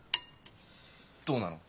どうなの？